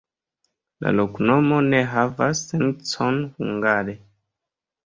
La loknomo ne havas sencon hungare.